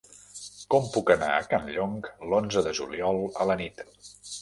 Com puc anar a Campllong l'onze de juliol a la nit?